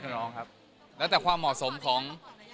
ร้องครับแล้วแต่ความเหมาะสมของ